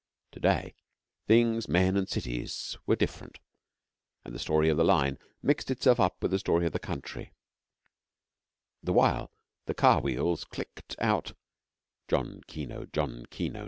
To day, things, men, and cities were different, and the story of the line mixed itself up with the story of the country, the while the car wheels clicked out, 'John Kino John Kino!